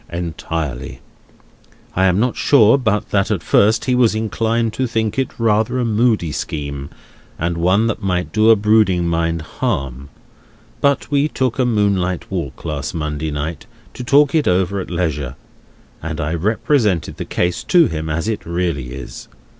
"Entirely. I am not sure but that at first he was inclined to think it rather a moody scheme, and one that might do a brooding mind harm. But we took a moonlight walk last Monday night, to talk it over at leisure, and I represented the case to him as it really is.